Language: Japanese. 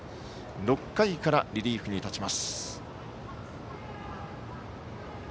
６回からリリーフに立ちます。